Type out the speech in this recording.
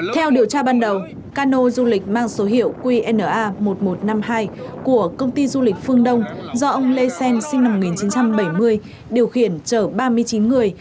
theo điều tra ban đầu cano du lịch mang số hiệu qna một nghìn một trăm năm mươi hai của công ty du lịch phương đông do ông lê xen sinh năm một nghìn chín trăm bảy mươi điều khiển chở ba mươi chín người